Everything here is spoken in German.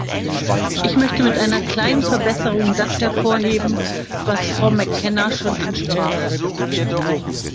Ich möchte mit einer kleinen Verbesserung das hervorheben, was Frau McKenna schon ansprach.